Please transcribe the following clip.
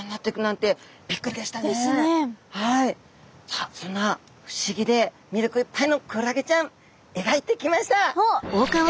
さあそんな不思議でみりょくいっぱいのクラゲちゃんえがいてきました！